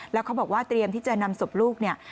แล้วเขาบอกว่าเตรียมที่จะนำศพลูกเนี่ย